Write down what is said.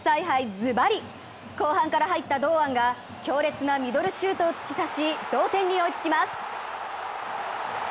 ズバリ後半から入った堂安が強烈なミドルシュートを突き刺し同点に追いつきます。